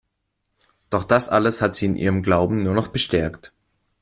Doch das alles hat sie in ihrem Glauben nur noch bestärkt.